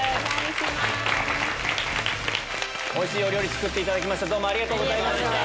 おいしいお料理作っていただきどうもありがとうございました。